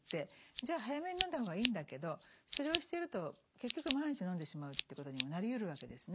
じゃあ早めにのんだ方がいいんだけどそれをしていると結局毎日のんでしまうということにもなりうるわけですね。